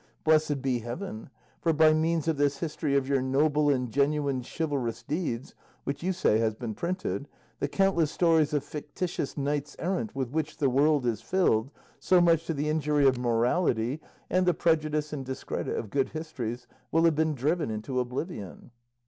Blessed be heaven! for by means of this history of your noble and genuine chivalrous deeds, which you say has been printed, the countless stories of fictitious knights errant with which the world is filled, so much to the injury of morality and the prejudice and discredit of good histories, will have been driven into oblivion."